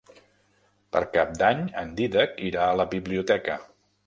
Per Cap d'Any en Dídac irà a la biblioteca.